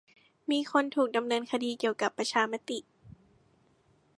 มีคนถูกดำเนินคดีเกี่ยวกับประชามติ